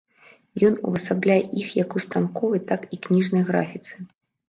Ён увасабляе іх як у станковай, так і кніжнай графіцы.